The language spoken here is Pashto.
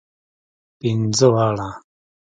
پنځه واړه.